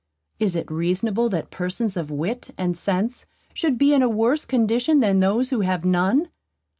Is it reasonable that persons of wit and sense should be in a worse condition than those who have none?